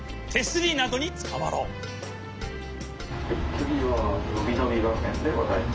「つぎはのびのびがくえんでございます」。